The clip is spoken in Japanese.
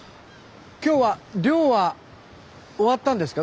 今日は漁は終わったんですか？